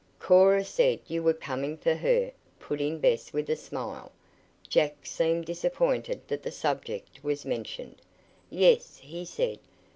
"Cora said you were coming for her," put in Bess with a smile. Jack seemed disappointed that the subject was mentioned. "Yes," he said.